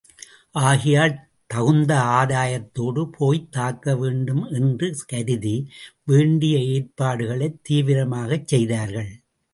ஆகையால், தகுந்த ஆயத்தத்தோடு போய்த் தாக்க வேண்டும் என்று கருதி, வேண்டிய ஏற்பாடுகளைத் தீவிரமாகச் செய்தார்கள்.